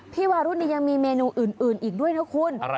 วารุ่นนี้ยังมีเมนูอื่นอีกด้วยนะคุณ